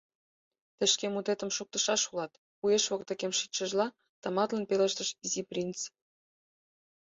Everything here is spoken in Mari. — Тый шке мутетым шуктышаш улат, — уэш воктекем шичшыжла, тыматлын пелештыш Изи принц.